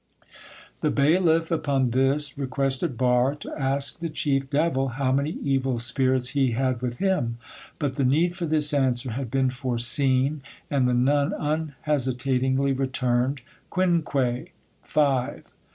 The bailiff upon this requested Barre to ask the chief devil how many evil spirits he had with him. But the need for this answer had been foreseen, and the nun unhesitatingly returned— "Quinque" (Five).